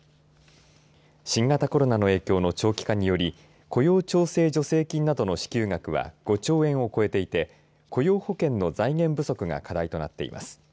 新型コロナの影響の長期化により雇用調整助成金などの支給額は５兆円を超えていて雇用保険の財源不足が課題となっています。